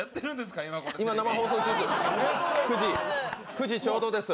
９時ちょうどです。